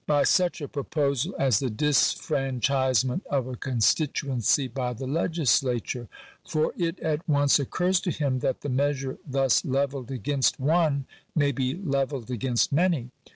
243 by such a proposal as the disfranchisement of a constituency by the legislature ; for it at once occurs to him that the measure thus levelled against one may be levelled against many.